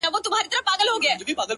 دا دی د مرګ؛ و دایمي محبس ته ودرېدم ؛